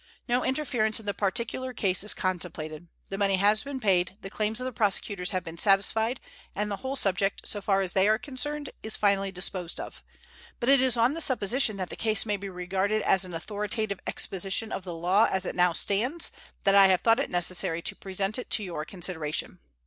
No interference in the particular case is contemplated. The money has been paid, the claims of the prosecutors have been satisfied, and the whole subject, so far as they are concerned, is finally disposed of; but it is on the supposition that the case may be regarded as an authoritative exposition of the law as it now stands that I have thought it necessary to present it to your consideration.